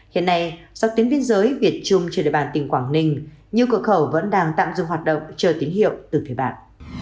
hiện nay do tiến viên giới việt trung trên địa bàn tỉnh quảng ninh nhiều cửa khẩu vẫn đang tạm dùng hoạt động chờ tín hiệu từ phía bạn